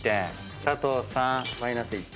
佐藤さんマイナス１点。